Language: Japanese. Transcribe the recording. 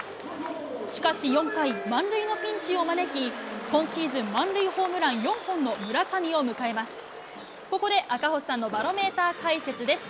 しかし４回、満塁のピンチを招き、今シーズン、満塁ホームラン４本の村上を迎えます。